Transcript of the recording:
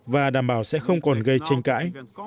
và đảm bảo sẽ không còn gây tranh cãi